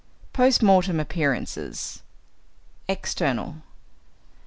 _Post Mortem Appearances External.